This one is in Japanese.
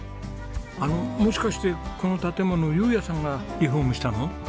あのもしかしてこの建物雄也さんがリフォームしたの？